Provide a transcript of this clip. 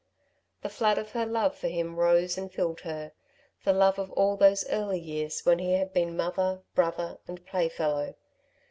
The flood of her love for him rose and filled her, the love of all those early years, when he had been mother, brother and playfellow.